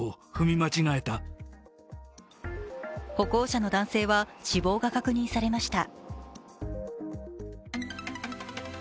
歩行者の男性は死亡が確認されました。